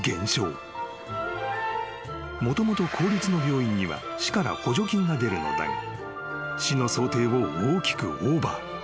［もともと公立の病院には市から補助金が出るのだが市の想定を大きくオーバー］